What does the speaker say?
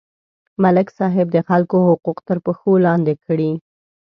ملک صاحب د خلکو حقوق تر پښو لاندې کړي.